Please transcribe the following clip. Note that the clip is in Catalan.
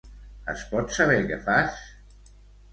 Es pot saber què fas?